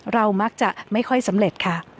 เรามักจะไม่ค่อยสำเร็จค่ะ